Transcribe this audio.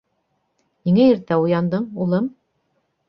- Ниңә иртә уяндың, улым?